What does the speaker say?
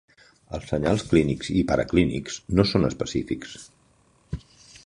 Els senyals clínics i para-clínics no són específics.